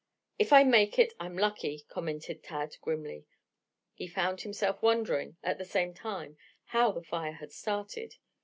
"If I make it I'm lucky," commented Tad grimly. He found himself wondering, at the same time, how the fire had started.